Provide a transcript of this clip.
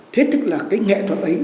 thế tức là cái nghệ thuật ấy